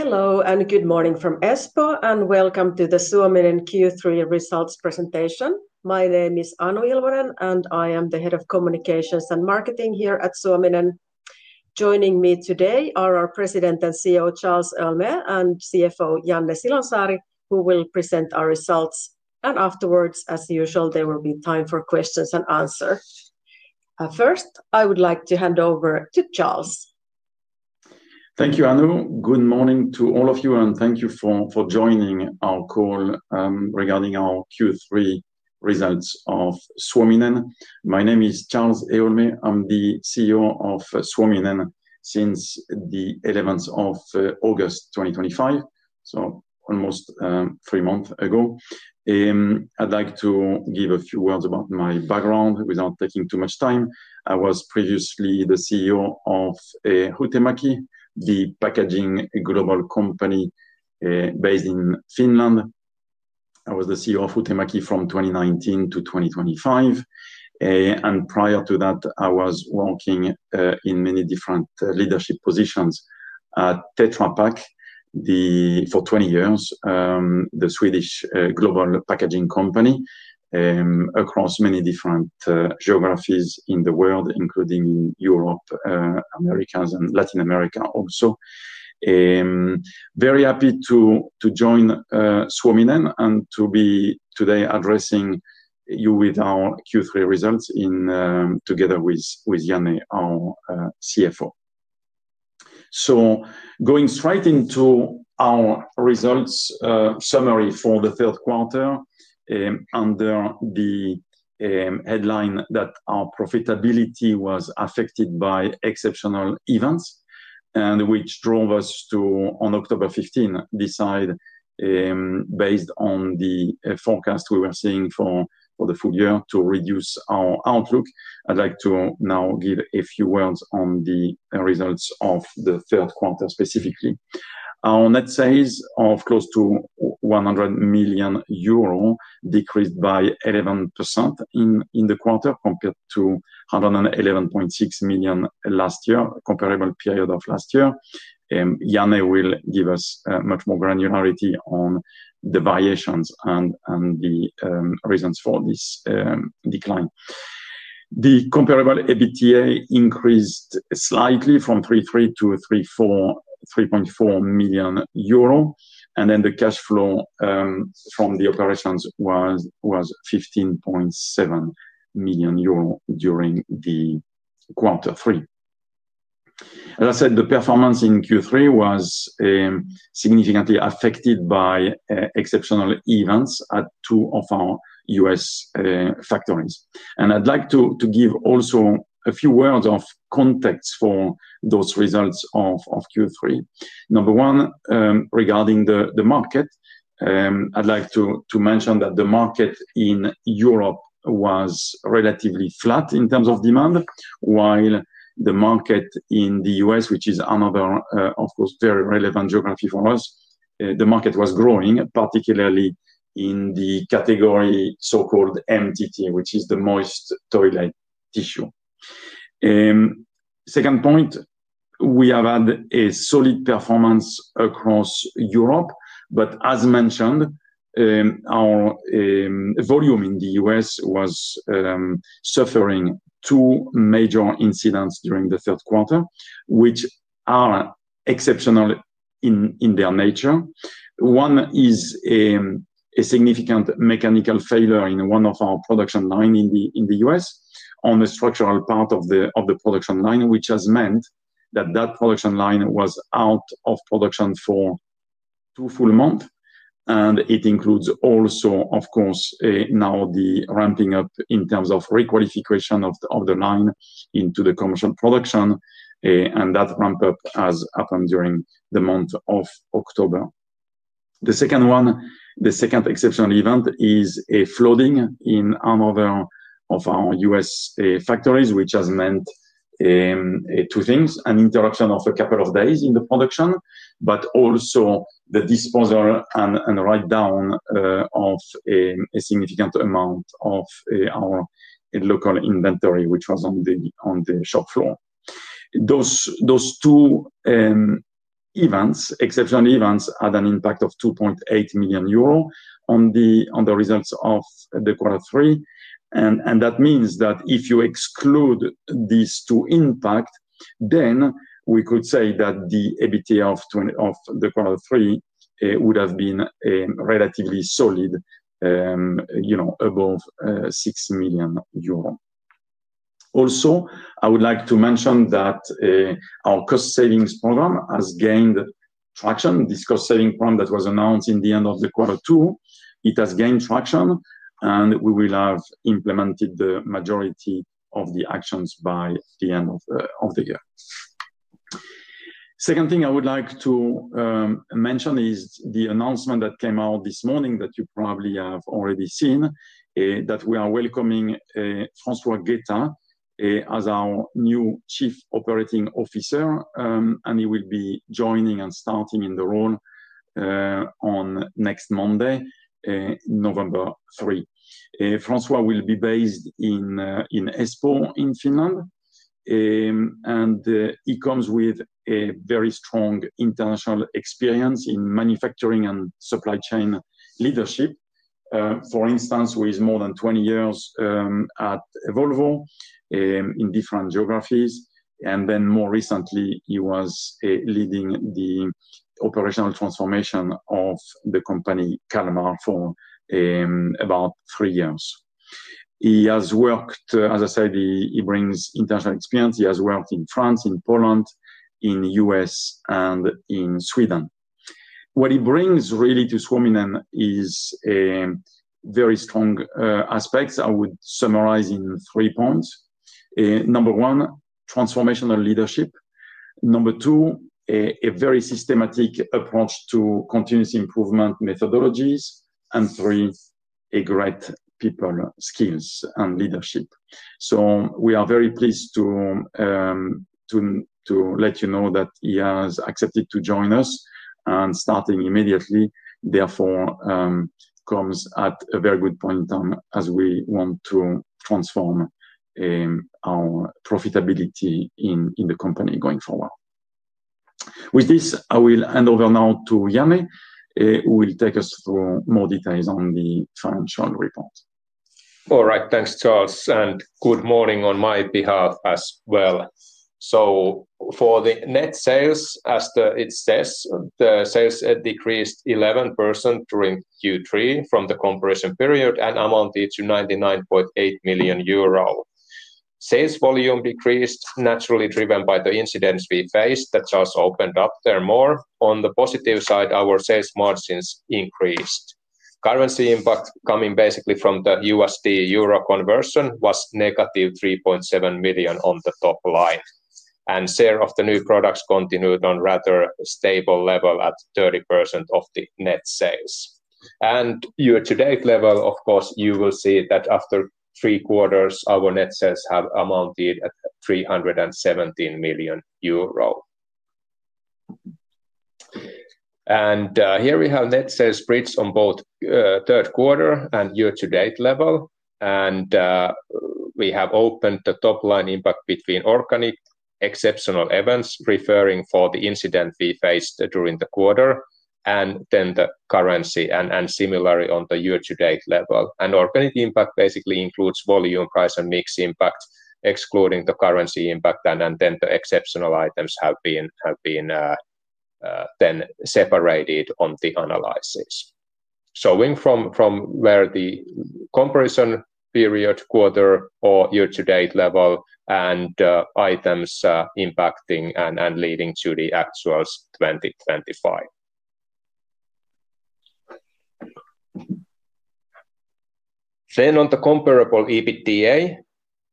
Hello and good morning from Espoo, and welcome to the Suominen Q3 results presentation. My name is Anu Ilvonen, and I am the Head of Communications and Marketing here at Suominen. Joining me today are our President and CEO, Charles Héaulmé, and CFO, Janne Silonsaari, who will present our results. Afterwards, as usual, there will be time for questions and answers. First, I would like to hand over to Charles. Thank you, Anu. Good morning to all of you, and thank you for joining our call regarding our Q3 results of Suominen. My name is Charles Héaulmé. I'm the CEO of Suominen since the 11th of August 2025, so almost three months ago. I'd like to give a few words about my background without taking too much time. I was previously the CEO of Huhtamaki, the packaging global company based in Finland. I was the CEO of Huhtamaki from 2019 to 2025. Prior to that, I was working in many different leadership positions at Tetra Pak for 20 years, the Swedish global packaging company across many different geographies in the world, including Europe, America, and Latin America also. Very happy to join Suominen and to be today addressing you with our Q3 results together with Janne, our CFO. Going straight into our results summary for the third quarter under the headline that our profitability was affected by exceptional events, which drove us to, on October 15, decide, based on the forecast we were seeing for the full year, to reduce our outlook. I'd like to now give a few words on the results of the third quarter specifically. Our net sales of close to 100 million euro decreased by 11% in the quarter compared to 111.6 million last year, comparable period of last year. Janne will give us much more granularity on the variations and the reasons for this decline. The comparable EBITDA increased slightly from 3.3 million-3.4 million euro, and the cash flow from the operations was 15.7 million euro during the quarter three. As I said, the performance in Q3 was significantly affected by exceptional events at two of our U.S. factories. I'd like to give also a few words of context for those results of Q3. Number one, regarding the market, I'd like to mention that the market in Europe was relatively flat in terms of demand, while the market in the U.S., which is another, of course, very relevant geography for us, the market was growing, particularly in the category so-called MTT, which is the moist toilet tissue. Second point, we have had a solid performance across Europe, but as mentioned, our volume in the U.S. was suffering two major incidents during the third quarter, which are exceptional in their nature. One is a significant mechanical failure in one of our production lines in the U.S. on the structural part of the production line, which has meant that that production line was out of production for two full months. It includes also, of course, now the ramping up in terms of requalification of the line into the commercial production, and that ramp-up has happened during the month of October. The second one, the second exceptional event, is a flooding in another of our U.S. factories, which has meant two things: an interruption of a couple of days in the production, but also the disposal and write-down of a significant amount of our local inventory, which was on the shop floor. Those two exceptional events had an impact of 2.8 million euro on the results of the quarter three. That means that if you exclude these two impacts, then we could say that the EBITDA of the quarter three would have been relatively solid, you know, above 6 million euro. Also, I would like to mention that our cost-saving program has gained traction. This cost-saving program that was announced in the end of the quarter two, it has gained traction, and we will have implemented the majority of the actions by the end of the year. The second thing I would like to mention is the announcement that came out this morning that you probably have already seen, that we are welcoming François Guetta as our new Chief Operating Officer, and he will be joining and starting in the role on next Monday, November 3. François will be based in Espoo, in Finland, and he comes with a very strong international experience in manufacturing and supply chain leadership. For instance, with more than 20 years at Volvo in different geographies, and then more recently, he was leading the operational transformation of the company Kalmar for about three years. He has worked, as I said, he brings international experience. He has worked in France, in Poland, in the U.S., and in Sweden. What he brings really to Suominen is very strong aspects. I would summarize in three points. Number one, transformational leadership. Number two, a very systematic approach to continuous improvement methodologies. Number three, great people skills and leadership. We are very pleased to let you know that he has accepted to join us and starting immediately. Therefore, comes at a very good point in time as we want to transform our profitability in the company going forward. With this, I will hand over now to Janne, who will take us through more details on the financial report. All right. Thanks, Charles, and good morning on my behalf as well. For the net sales, as it says, the sales decreased 11% during Q3 from the comparison period and amounted to 99.8 million euro. Sales volume decreased, naturally driven by the incidents we faced. That's also opened up. On the positive side, our sales margins increased. Currency impact coming basically from the USD euro conversion was -3.7 million on the top line. Share of the new products continued on a rather stable level at 30% of the net sales. At the year-to-date level, of course, you will see that after three quarters, our net sales have amounted at 317 million euro. Here we have net sales spreads on both third quarter and year-to-date level. We have opened the top line impact between organic, exceptional events, preferring for the incident we faced during the quarter, and then the currency, and similarly on the year-to-date level. Organic impact basically includes volume, price, and mixed impact, excluding the currency impact. The exceptional items have been then separated on the analysis. We went from where the comparison period quarter or year-to-date level and items impacting and leading to the actuals 2025. On the comparable EBITDA,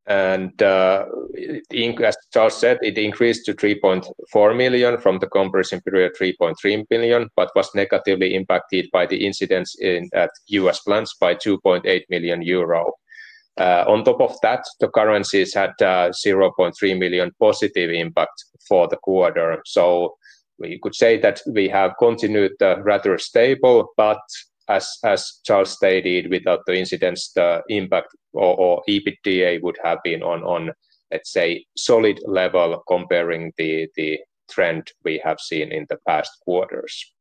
and as Charles said, it increased to 3.4 million from the comparison period, 3.3 million, but was negatively impacted by the incidents at U.S. plants by 2.8 million euro. On top of that, the currencies had 0.3 million positive impact for the quarter. We could say that we have continued rather stable, but as Charles stated, without the incidents, the impact or EBITDA would have been on, let's say, solid level comparing the trend we have seen in the past quarters.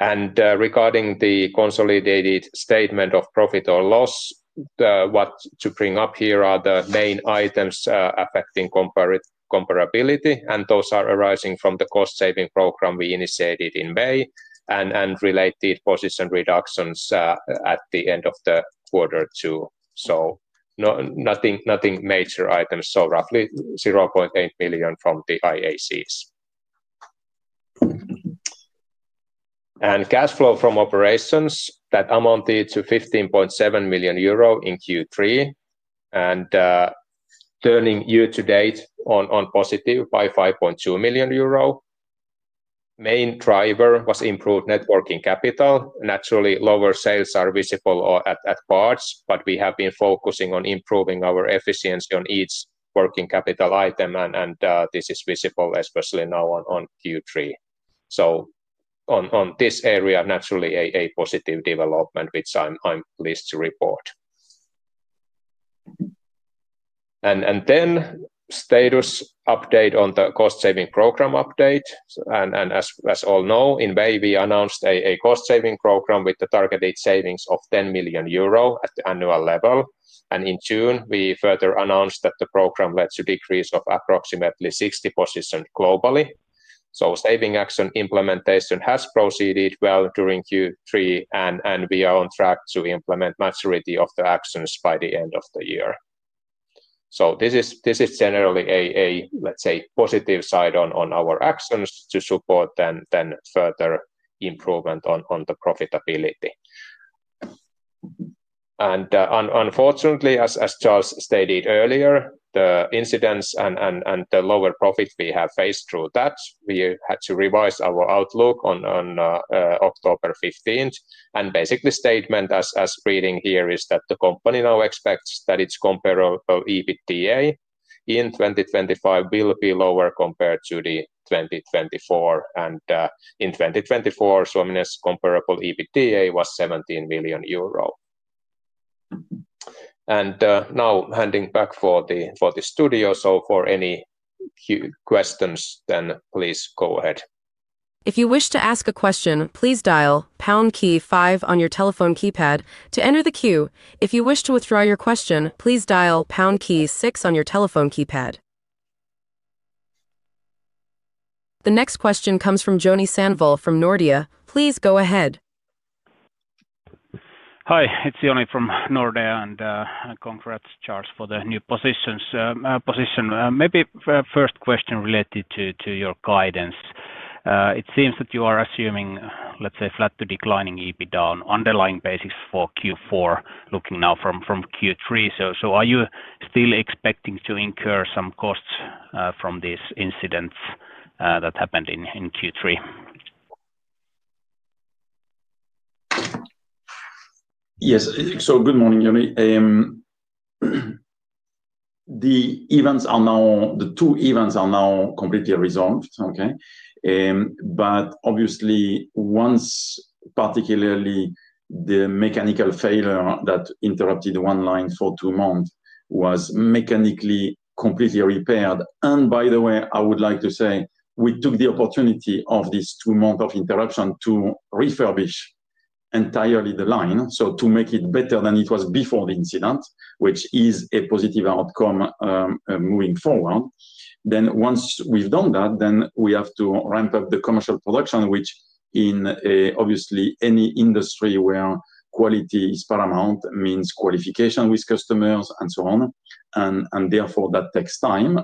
Regarding the consolidated statement of profit or loss, what to bring up here are the main items affecting comparability, and those are arising from the cost-saving program we initiated in May and related position reductions at the end of the quarter too. Nothing major items, so roughly 0.8 million from the IACs. Cash flow from operations amounted to 15.7 million euro in Q3, and turning year-to-date on positive by 5.2 million euro. Main driver was improved networking capital. Naturally, lower sales are visible at parts, but we have been focusing on improving our efficiency on each working capital item, and this is visible especially now on Q3. In this area, naturally, a positive development, which I'm pleased to report. The status update on the cost-saving program update. As all know, in May, we announced a cost-saving program with the targeted savings of 10 million euro at the annual level. In June, we further announced that the program led to a decrease of approximately 60 positions globally. Saving action implementation has proceeded well during Q3, and we are on track to implement the majority of the actions by the end of the year. This is generally a, let's say, positive side on our actions to support further improvement on the profitability. Unfortunately, as Charles stated earlier, the incidents and the lower profit we have faced through that, we had to revise our outlook on October 15th. Basically, the statement as reading here is that the company now expects that its comparable EBITDA in 2025 will be lower compared to 2024. In 2024, Suominen's comparable EBITDA was EUR 17 million. Now handing back for the studio. For any questions, then please go ahead. If you wish to ask a question, please dial pound key five on your telephone keypad to enter the queue. If you wish to withdraw your question, please dial pound key six on your telephone keypad. The next question comes from Joni Sandvall from Nordea. Please go ahead. Hi, it's Joni from Nordea, and congrats, Charles, for the new position. Maybe first question related to your guidance. It seems that you are assuming, let's say, flat to declining EBITDA on underlying basis for Q4, looking now from Q3. Are you still expecting to incur some costs from these incidents that happened in Q3? Yes. Good morning, Joni. The events are now, the two events are now completely resolved. Okay. Obviously, once particularly the mechanical failure that interrupted one line for two months was mechanically completely repaired. By the way, I would like to say we took the opportunity of these two months of interruption to refurbish entirely the line, to make it better than it was before the incident, which is a positive outcome moving forward. Once we've done that, we have to ramp up the commercial production, which in obviously any industry where quality is paramount means qualification with customers and so on. Therefore, that takes time.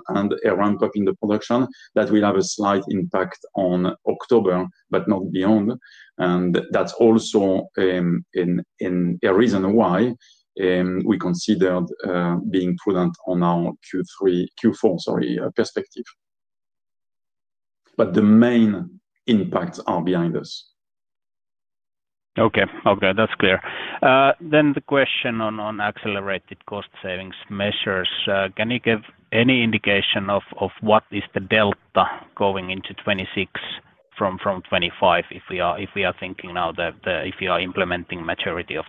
A ramp-up in the production will have a slight impact on October, but not beyond. That is also a reason why we considered being prudent on our Q3, Q4, sorry, perspective, but the main impacts are behind us. Okay. That's clear. The question on accelerated cost-saving measures: can you give any indication of what is the delta going into 2026 from 2025 if we are thinking now that if you are implementing the majority of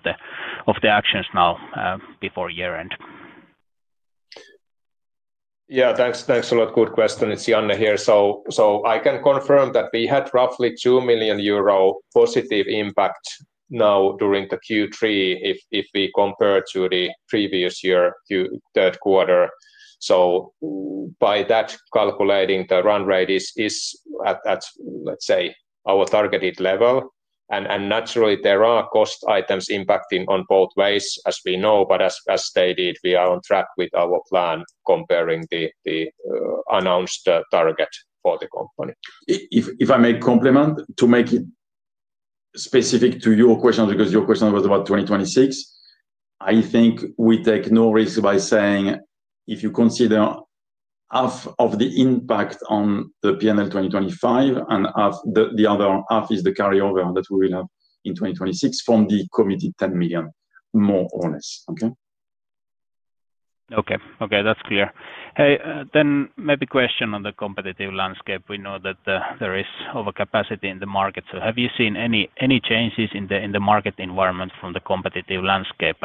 the actions now before year-end? Yeah. Thanks a lot. Good question. It's Janne here. I can confirm that we had roughly 2 million euro positive impact now during the Q3 if we compare to the previous year, to third quarter. By that, calculating the run rate is at, let's say, our targeted level. Naturally, there are cost items impacting on both ways, as we know. As stated, we are on track with our plan comparing the announced target for the company. If I may complement to make it specific to your question, because your question was about 2026, I think we take no risk by saying if you consider half of the impact on the P&L 2025 and half the other half is the carryover that we will have in 2026 from the committed 10 million, more or less. Okay? Okay. That's clear. Maybe a question on the competitive landscape. We know that there is overcapacity in the market. Have you seen any changes in the market environment from the competitive landscape?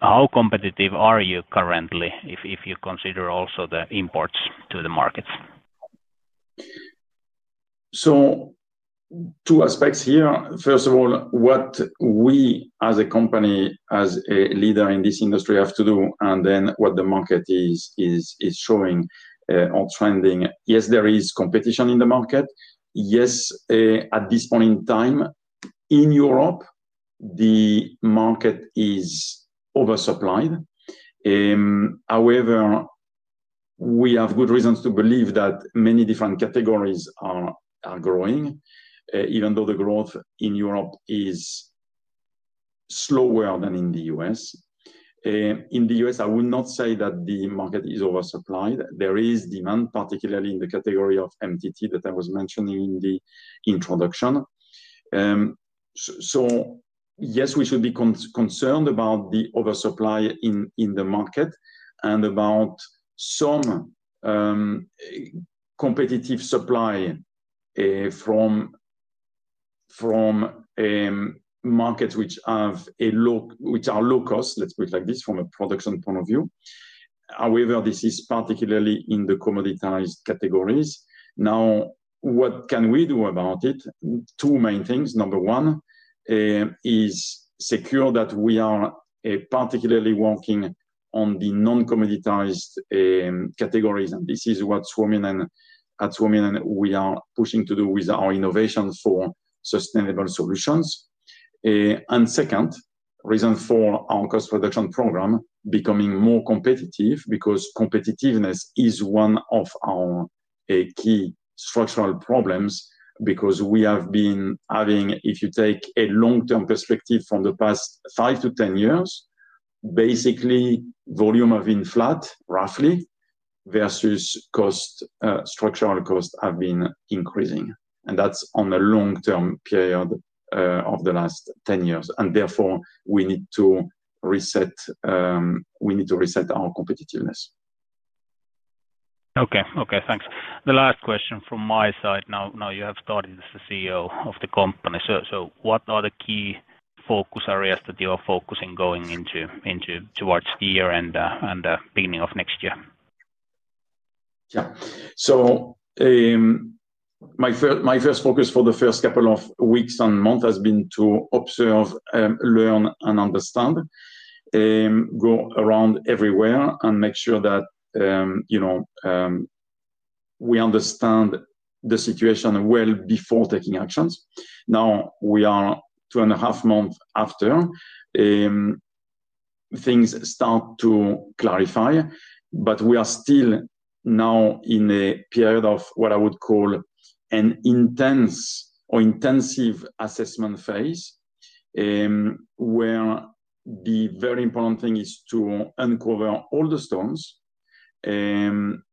How competitive are you currently if you consider also the imports to the markets? Two aspects here. First of all, what we as a company, as a leader in this industry, have to do and then what the market is showing or trending. Yes, there is competition in the market. Yes, at this point in time, in Europe, the market is oversupplied. However, we have good reasons to believe that many different categories are growing, even though the growth in Europe is slower than in the U.S. In the U.S., I would not say that the market is oversupplied. There is demand, particularly in the category of MTT that I was mentioning in the introduction. We should be concerned about the oversupply in the market and about some competitive supply from markets which are low-cost, let's put it like this, from a production point of view. This is particularly in the commoditized categories. What can we do about it? Two main things. Number one is secure that we are particularly working on the non-commoditized categories. This is what at Suominen we are pushing to do with our innovations for sustainable solutions. Second, reason for our cost reduction program becoming more competitive because competitiveness is one of our key structural problems because we have been having, if you take a long-term perspective from the past 5-10 years, basically, volume has been flat, roughly, versus structural costs have been increasing. That's on a long-term period of the last 10 years. Therefore, we need to reset our competitiveness. Okay. Thanks. The last question from my side. Now, you have started as the CEO of the company. What are the key focus areas that you are focusing going into towards the year-end and the beginning of next year? Yeah. My first focus for the first couple of weeks and months has been to observe, learn, and understand, go around everywhere, and make sure that we understand the situation well before taking actions. Now, we are two and a half months after. Things start to clarify, but we are still now in a period of what I would call an intense or intensive assessment phase where the very important thing is to uncover all the stones,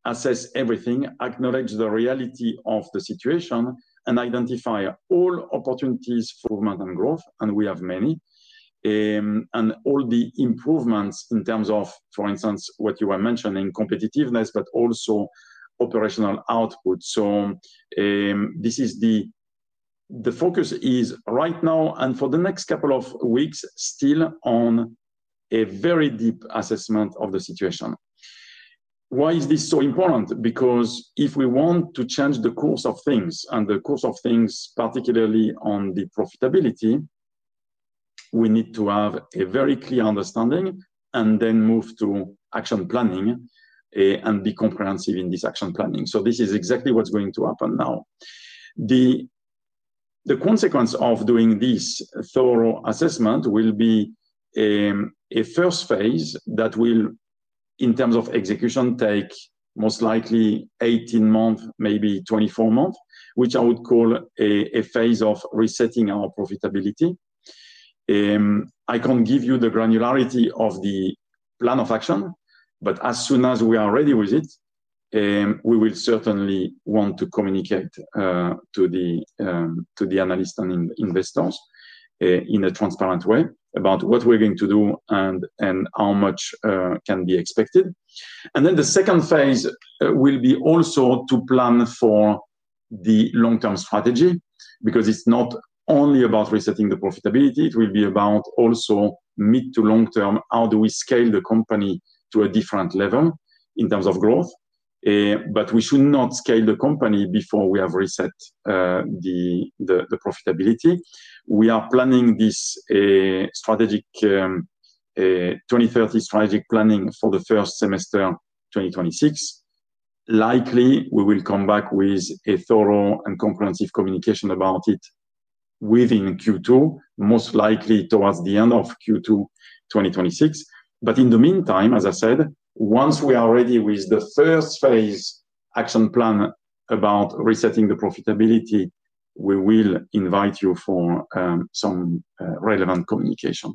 assess everything, acknowledge the reality of the situation, and identify all opportunities for improvement and growth, and we have many, and all the improvements in terms of, for instance, what you were mentioning, competitiveness, but also operational output. This is the focus right now and for the next couple of weeks still on a very deep assessment of the situation. Why is this so important? If we want to change the course of things, and the course of things, particularly on the profitability, we need to have a very clear understanding and then move to action planning and be comprehensive in this action planning. This is exactly what's going to happen now. The consequence of doing this thorough assessment will be a first phase that will, in terms of execution, take most likely 18 months, maybe 24 months, which I would call a phase of resetting our profitability. I can't give you the granularity of the plan of action, but as soon as we are ready with it, we will certainly want to communicate to the analysts and investors in a transparent way about what we're going to do and how much can be expected. The second phase will be also to plan for the long-term strategy because it's not only about resetting the profitability. It will be about also mid to long term, how do we scale the company to a different level in terms of growth. We should not scale the company before we have reset the profitability. We are planning this 2030 strategic planning for the first semester 2026. Likely, we will come back with a thorough and comprehensive communication about it within Q2, most likely towards the end of Q2 2026. In the meantime, as I said, once we are ready with the first phase action plan about resetting the profitability, we will invite you for some relevant communication.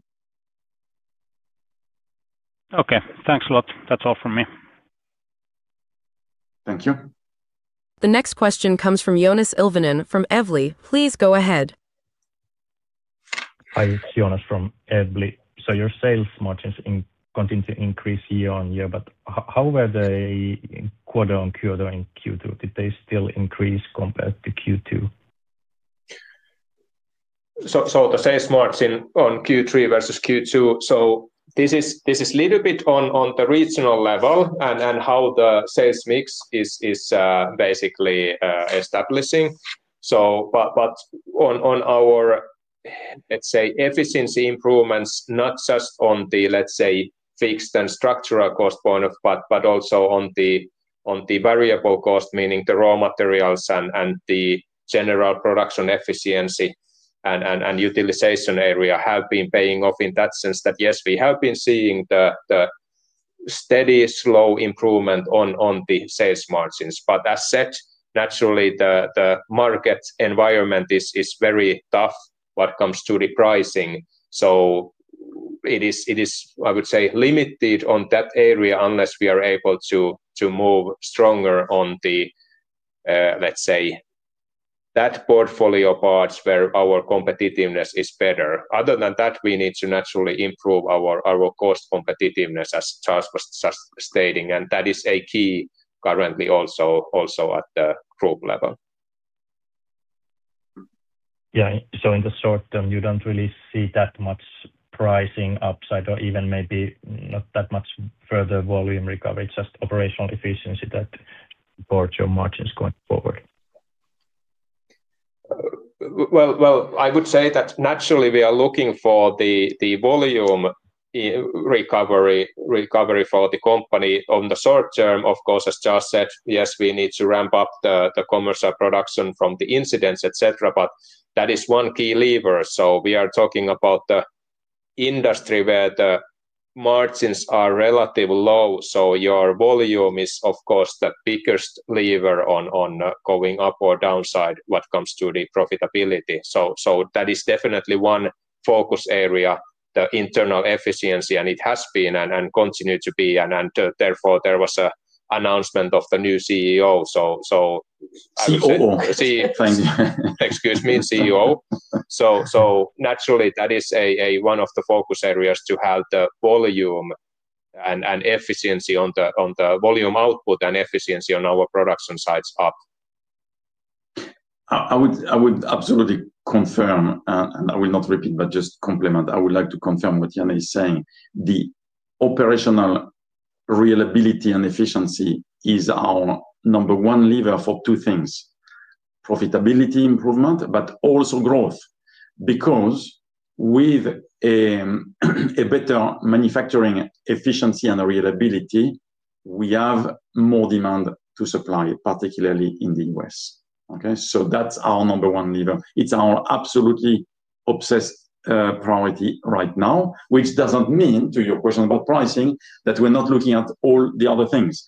Okay, thanks a lot. That's all from me. Thank you. The next question comes from Joonas Ilvonen from Evli. Please go ahead. Hi. It's Joonas from Evli. Your sales margins continue to increase year on year, but how were they quarter on quarter in Q2? Did they still increase compared to Q2? The sales margin on Q3 versus Q2 is a little bit on the regional level and how the sales mix is basically establishing. On our efficiency improvements, not just on the fixed and structural cost point of view, but also on the variable cost, meaning the raw materials and the general production efficiency and utilization area, have been paying off in that sense that, yes, we have been seeing the steady, slow improvement on the sales margins. As said, naturally, the market environment is very tough when it comes to the pricing. It is, I would say, limited on that area unless we are able to move stronger on that portfolio part where our competitiveness is better. Other than that, we need to naturally improve our cost competitiveness, as Charles was stating. That is a key currently also at the group level. Yeah. In the short term, you don't really see that much pricing upside or even maybe not that much further volume recovery, just operational efficiency that supports your margins going forward. I would say that naturally, we are looking for the volume recovery for the company. In the short term, of course, as Charles said, yes, we need to ramp up the commercial production from the incidents, etc. That is one key lever. We are talking about the industry where the margins are relatively low. Your volume is, of course, the biggest lever on going up or downside when it comes to the profitability. That is definitely one focus area, the internal efficiency. It has been and continues to be. Therefore, there was an announcement of the new CEO. CEO. Thank you. Excuse me, CEO. Naturally, that is one of the focus areas to have the volume and efficiency on the volume output and efficiency on our production sites up. I would absolutely confirm, and I will not repeat, but just complement. I would like to confirm what Janne is saying. The operational reliability and efficiency is our number one lever for two things: profitability improvement, but also growth. With better manufacturing efficiency and reliability, we have more demand to supply, particularly in the U.S. That's our number one lever. It's our absolutely obsessed priority right now, which doesn't mean, to your question about pricing, that we're not looking at all the other things.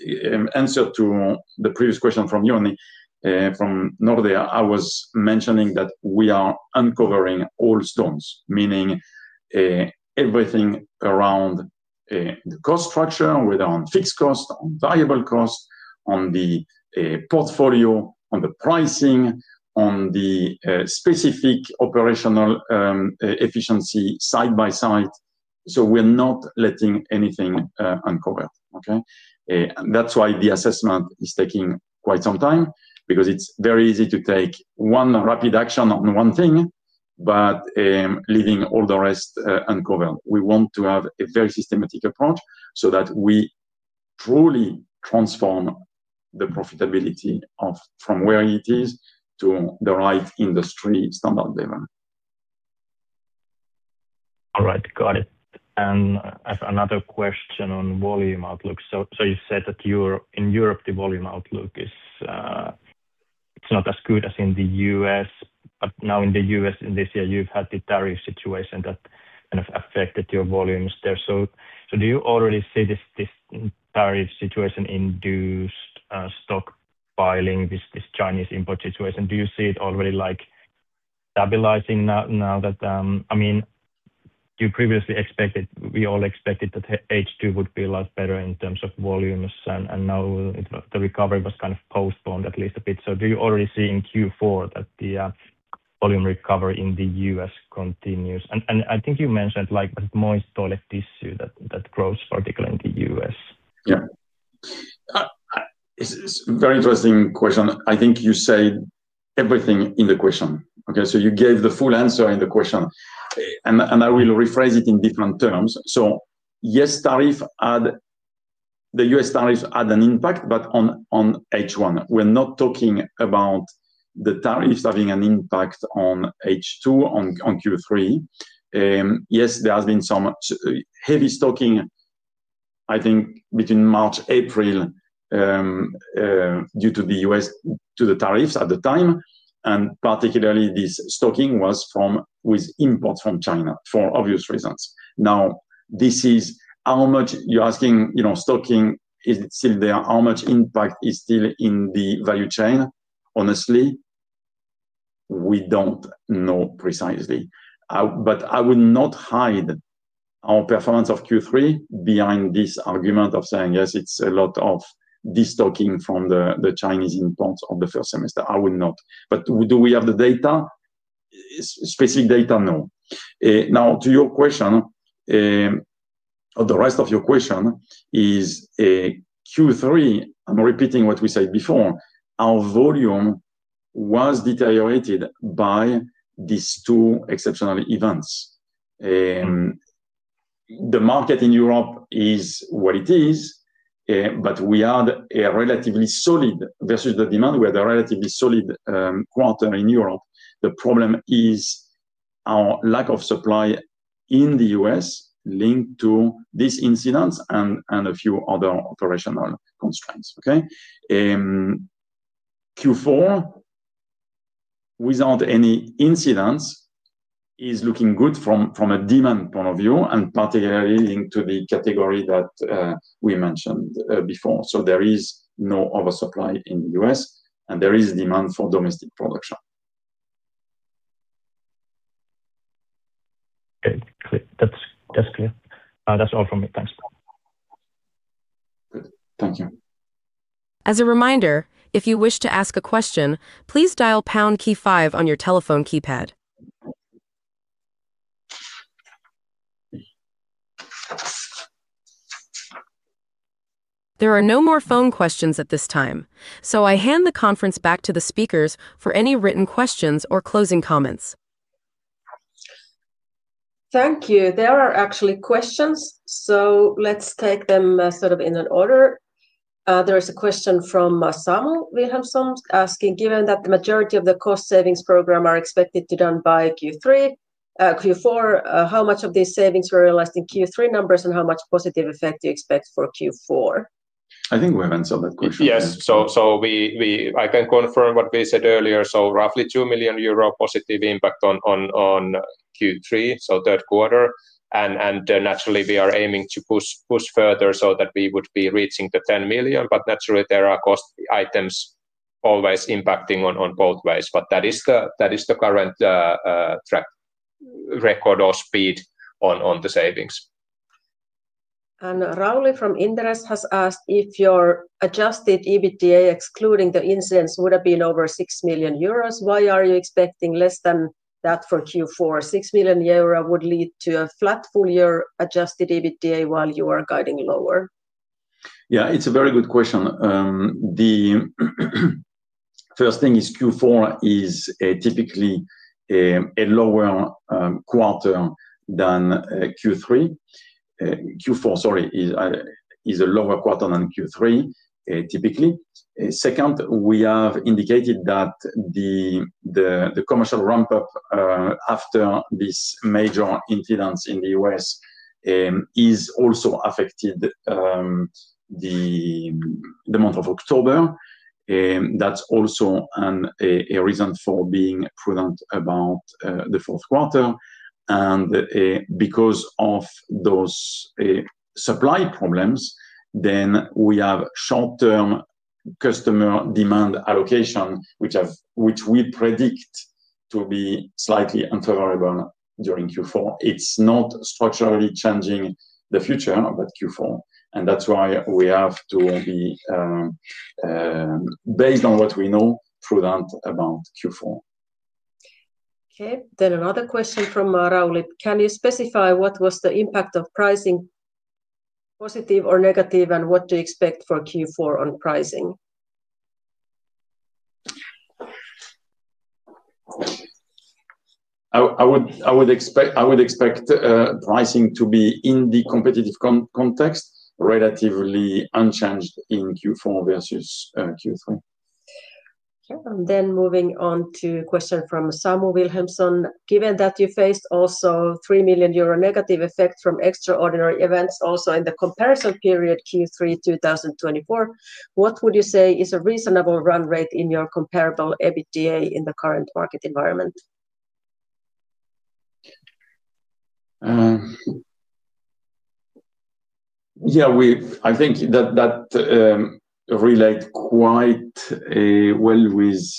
In answer to the previous question from you, from Nordea, I was mentioning that we are uncovering all stones, meaning everything around the cost structure, whether on fixed cost, on variable cost, on the portfolio, on the pricing, on the specific operational efficiency side by side. We're not letting anything uncovered. That's why the assessment is taking quite some time because it's very easy to take one rapid action on one thing but leaving all the rest uncovered. We want to have a very systematic approach so that we truly transform the profitability from where it is to the right industry standard level. All right. Got it. I have another question on volume outlook. You said that in Europe, the volume outlook is not as good as in the U.S. In the U.S. this year, you've had the tariff situation that kind of affected your volumes there. Do you already see this tariff situation induced stockpiling, this Chinese import situation? Do you see it already stabilizing now? I mean, you previously expected, we all expected that H2 would be a lot better in terms of volumes, and now the recovery was kind of postponed at least a bit. Do you already see in Q4 that the volume recovery in the U.S. continues? I think you mentioned that it's moist toilet tissue that grows, particularly in the U.S. Yeah. It's a very interesting question. I think you said everything in the question. You gave the full answer in the question. I will rephrase it in different terms. Yes, tariffs add, the U.S. tariffs add an impact, but on H1. We're not talking about the tariffs having an impact on H2 or Q3. Yes, there has been some heavy stocking, I think, between March and April due to the U.S., to the tariffs at the time. Particularly, this stocking was from imports from China for obvious reasons. Now, this is how much you're asking, you know, stocking, is it still there? How much impact is still in the value chain? Honestly, we don't know precisely. I would not hide our performance of Q3 behind this argument of saying, yes, it's a lot of destocking from the Chinese imports of the first semester. I would not. Do we have the data, specific data? No. Now, to your question, or the rest of your question, is Q3, I'm repeating what we said before, our volume was deteriorated by these two exceptional events. The market in Europe is what it is, but we had a relatively solid, versus the demand, we had a relatively solid quarter in Europe. The problem is our lack of supply in the U.S. linked to this incident and a few other operational constraints. Q4, without any incidents, is looking good from a demand point of view and particularly linked to the category that we mentioned before. There is no oversupply in the U.S., and there is demand for domestic production. Okay. That's clear. That's all from me. Thanks. Good, thank you. As a reminder, if you wish to ask a question, please dial pound key five on your telephone keypad. There are no more phone questions at this time. I hand the conference back to the speakers for any written questions or closing comments. Thank you. There are actually questions. Let's take them in an order. There is a question from Samu Wilhelmsson asking, given that the majority of the cost-saving program are expected to run by Q4, how much of these savings were realized in Q3 numbers and how much positive effect do you expect for Q4? I think we've answered that question. Yes, I can confirm what we said earlier. Roughly 2 million euro positive impact on Q3, so third quarter. Naturally, we are aiming to push further so that we would be reaching the 10 million. Naturally, there are cost items always impacting on both ways. That is the current record or speed on the savings. Rauli from Inderes has asked if your adjusted EBITDA, excluding the incidents, would have been over 6 million euros. Why are you expecting less than that for Q4? 6 million euros would lead to a flat full-year adjusted EBITDA while you are guiding lower. Yeah. It's a very good question. The first thing is Q4 is typically a lower quarter than Q3. Q4 is a lower quarter than Q3, typically. Second, we have indicated that the commercial ramp-up after this major incident in the U.S. has also affected the month of October. That's also a reason for being prudent about the fourth quarter. Because of those supply problems, we have short-term customer demand allocation, which we predict to be slightly unfavorable during Q4. It's not structurally changing the future, but Q4. That's why we have to be, based on what we know, prudent about Q4. Okay. Another question from Rauli. Can you specify what was the impact of pricing, positive or negative, and what do you expect for Q4 on pricing? I would expect pricing to be, in the competitive context, relatively unchanged in Q4 versus Q3. Okay. Moving on to a question from Samu Wilhelmsson. Given that you faced also 3 million euro negative effect from extraordinary events also in the comparison period Q3 2024, what would you say is a reasonable run rate in your comparable EBITDA in the current market environment? Yeah. I think that relates quite well with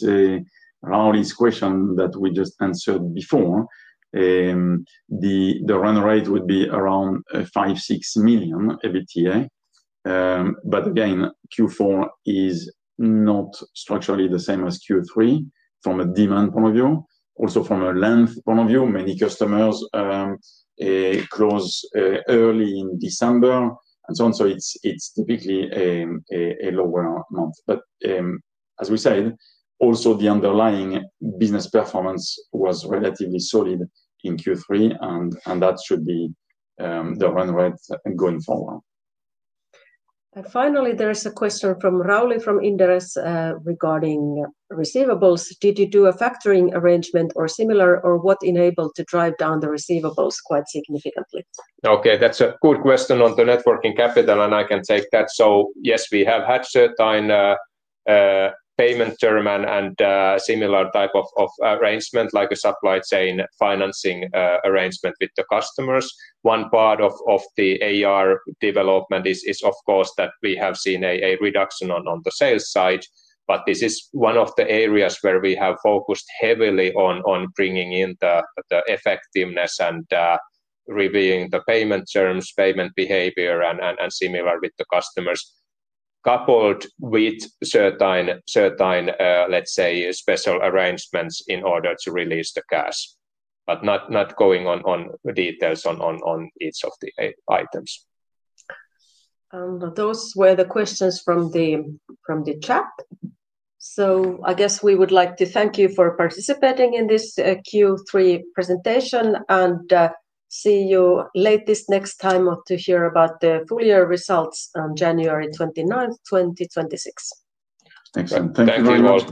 Rauli's question that we just answered before. The run rate would be around 5 million, 6 million EBITDA. Q4 is not structurally the same as Q3 from a demand point of view. Also from a length point of view, many customers close early in December and so on. It's typically a lower month. As we said, the underlying business performance was relatively solid in Q3, and that should be the run rate going forward. There is a question from Rauli from Inderes regarding receivables. Did you do a factoring arrangement or similar, or what enabled you to drive down the receivables quite significantly? Okay. That's a good question on the working capital, and I can take that. Yes, we have had certain payment terms and similar types of arrangements, like a supply chain financing arrangement with the customers. One part of the AR development is, of course, that we have seen a reduction on the sales side. This is one of the areas where we have focused heavily on bringing in the effectiveness and reviewing the payment terms, payment behavior, and similar with the customers, coupled with certain, let's say, special arrangements in order to release the cash, but not going on details on each of the items. Those were the questions from the chat. We would like to thank you for participating in this Q3 presentation and see you next time to hear about the full-year results on January 29th, 2026. Thanks, everyone. Thank you very much.